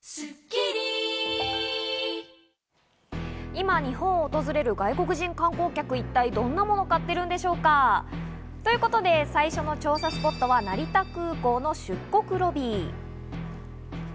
今、日本を訪れる外国人観光客は一体どんなものを買っているんでしょうか？ということで最初の調査スポットは成田空港の出国ロビー。